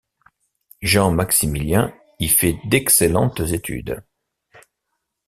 Jean Maximilien y fait d'excellentes études.